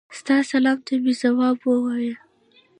ستا سلام ته مي ځواب ووایه.